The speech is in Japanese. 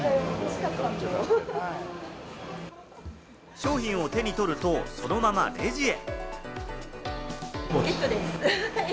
商品を手に取ると、そのままレジへ。